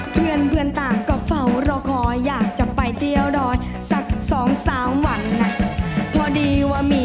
ตกโตนะครับจากน้องฟารีส